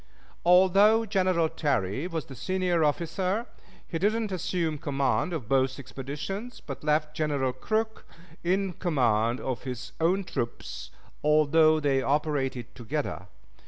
Although General Terry was the senior officer, he did not assume command of both expeditions, but left General Crook in command of his own troops, although they operated together.